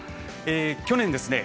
去年ですね